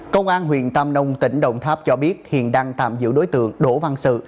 công an huyện tam nông tỉnh đồng tháp cho biết hiện đang tạm giữ đối tượng đỗ văn sự